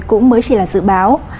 cũng mới chỉ là sự báo